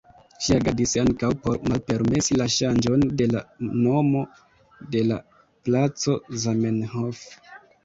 Ŝi agadis ankaŭ por malpermesi la ŝanĝon de la nomo de la placo Zamenhof.